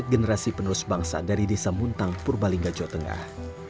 potret generasi penerus bangsa dari desa muntang purbalingga jotengah